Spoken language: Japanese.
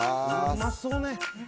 うまそうね！